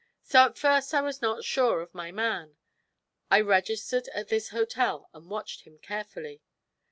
So at first I was not sure of my man. I registered at this hotel and watched him carefully.